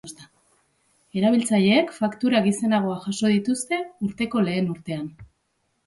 Erabiltzaileek faktura gizenagoak jaso dituzte urteko lehen urtean.